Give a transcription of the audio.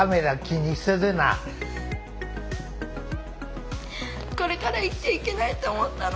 「これから生きていけないと思ったの」。